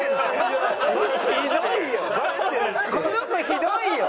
ひどいよ！